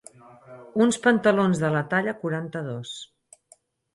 Uns pantalons de la talla quaranta-dos.